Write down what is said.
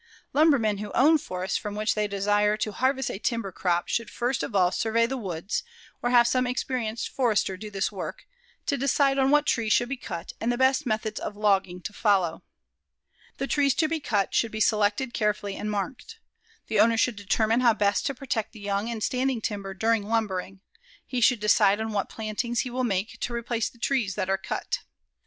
Lumbermen who own forests from which they desire to harvest a timber crop should first of all survey the woods, or have some experienced forester do this work, to decide on what trees should be cut and the best methods of logging to follow. The trees to be cut should be selected carefully and marked. The owner should determine how best to protect the young and standing timber during lumbering. He should decide on what plantings he will make to replace the trees that are cut.